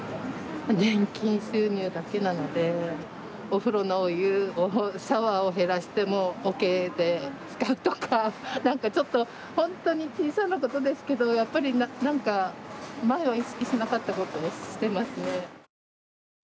お風呂のお湯を、シャワーを減らして、もうおけで使うとか何かちょっと本当に小さなことですけどやっぱり何か前は意識しなかったことしてます。